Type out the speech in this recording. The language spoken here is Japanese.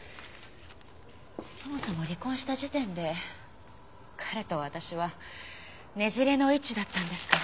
そもそも離婚した時点で彼と私はねじれの位置だったんですから。